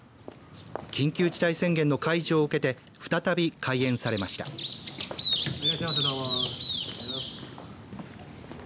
緊急事態宣言の解除を受けて再び開園されました。